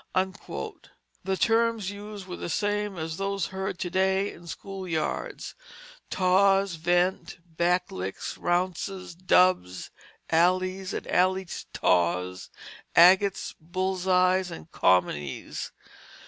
The terms used were the same as those heard to day in school yards: taws, vent, back licks, rounces, dubs, alleys, and alley taws, agates, bull's eyes, and commoneys.